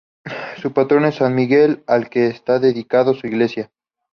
Su patrón es San Miguel, al que está dedicado su iglesia.